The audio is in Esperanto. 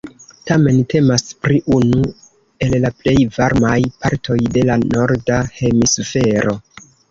Tamen temas pri unu el la plej varmaj partoj de la norda hemisfero.